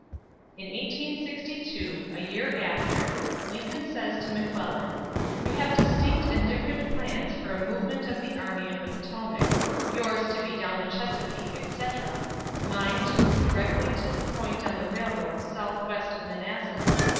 "'" In 1862, a year after, Lincoln says to McClellan: "We have distinct and different plans for a movement of the Army of the Potomac: yours to be down the Chesapeake, etc.; mine, to move directly to the point on the railroads southwest of Manassas.